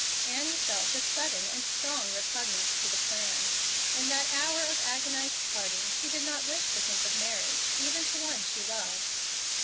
Annie felt a sudden and strong repugnance to the plan. In that hour of agonized parting she did not wish to think of marriage, even to one she loved.